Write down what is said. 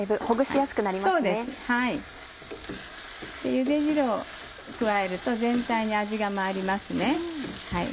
ゆで汁を加えると全体に味が回りますね。